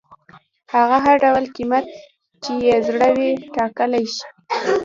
هغه هر ډول قیمت چې یې زړه وي ټاکلی شي.